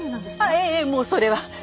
ええもうそれは。